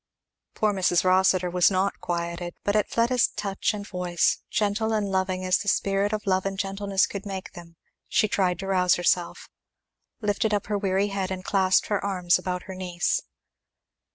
Poor Mrs. Rossitur was not quieted, but at Fleda's touch and voice, gentle and loving as the spirit of love and gentleness could make them, she tried to rouse herself; lifted up her weary head and clasped her arms about her niece.